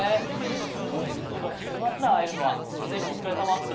もう次は１０月だ、会えるのは、１年間、お疲れさま。